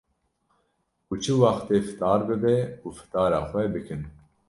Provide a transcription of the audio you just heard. ku çi wextê fitar bibe û fitara xwe bikin.